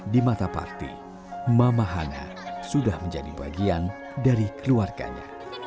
di mata parti mama hana sudah menjadi bagian dari keluarganya